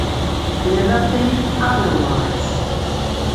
Never think otherwise.